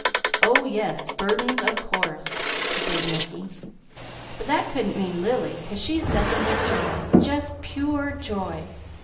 "Oh yes! 'Burdens,' of course!" agreed Mickey. "But that couldn't mean Lily, 'cause she's nothing but joy! Just pure joy!